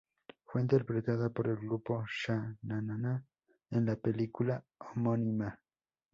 Fue interpretada por el grupo Sha Na Na en la película homónima.